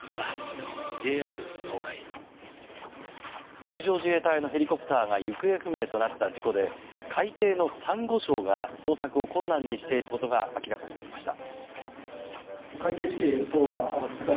陸上自衛隊のヘリコプターが行方不明となった事故で海底のサンゴ礁が捜索を困難にしていることが明らかになりました。